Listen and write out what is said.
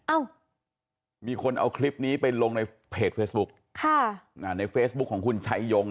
เอ้ามีคนเอาคลิปนี้ไปลงในเพจเฟซบุ๊คค่ะอ่าในเฟซบุ๊คของคุณชัยยง